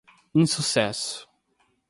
insucesso